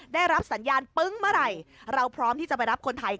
ได้รับสัญญาณปึ้งเมื่อไหร่เราพร้อมที่จะไปรับคนไทย